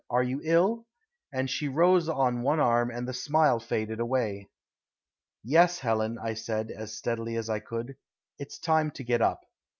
Are you ill?" And she rose on one arm and the smile faded away. "Yes, Helen," I said, as steadily as I could. "It's time to get up.